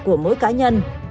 của mỗi cá nhân